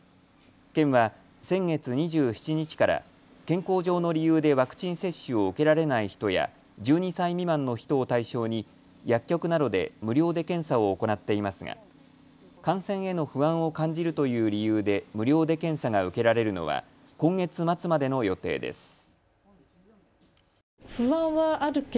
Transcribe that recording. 県は先月２７日から健康上の理由でワクチン接種を受けられない人や１２歳未満の人を対象に薬局などで無料で検査を行っていますが感染への不安を感じるという理由で無料で検査が受けられるのは今月末までの予定です。